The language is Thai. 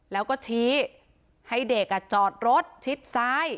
แล้วก็ชี้ให้เด็กจอดรถชิดซ้าย